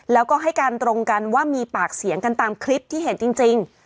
แล้วก็ให้การตรงกันว่ามีปากเสียงกันตามคลิปที่เห็นจริง